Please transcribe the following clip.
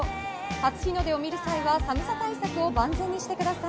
初日の出を見る際は寒さ対策を万全にしてください。